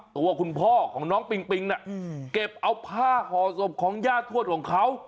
ตัวคุณพ่อของน้องปิงปิงเก็บเอาผ้าห่อศพของย่าทวดของเขา